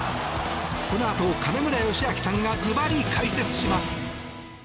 このあと金村義明さんがずばり解説します。